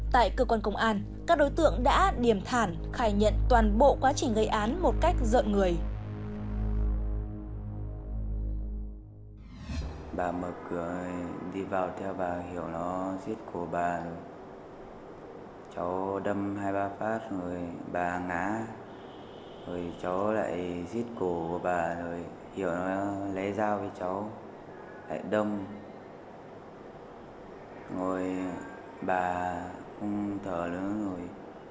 tại cơ quan công an các đối tượng đã điềm thản khai nhận toàn bộ quá trình gây án một cách giận người